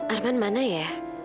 arman mana ya